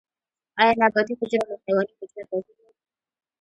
ایا نباتي حجره له حیواني حجرې توپیر لري؟